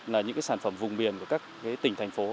là những sản phẩm vùng miền của các tỉnh thành phố